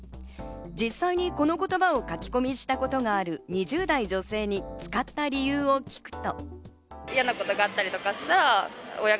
実際にこの言葉を書き込みしたことがある２０代女性に使った理由を聞くと。